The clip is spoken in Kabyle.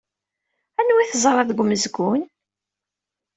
Anwa ay teẓra deg umezgun?